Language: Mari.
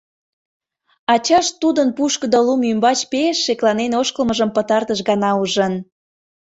Ачашт тудын пушкыдо лум ӱмбач пеш шекланен ошкылмыжым пытартыш гана ужын.